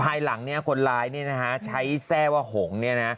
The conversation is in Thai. ภายหลังเนี่ยคนร้ายใช้แทร่วะหงก์